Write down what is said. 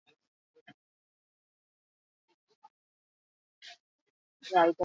Jarrera horrek oso alde onak ditu toleranteago bihurtzen zarelako.